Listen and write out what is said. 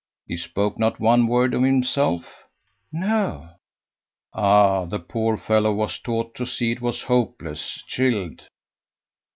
"He spoke not one word of himself?" "No." "Ah! the poor old fellow was taught to see it was hopeless chilled.